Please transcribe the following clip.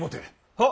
・はっ。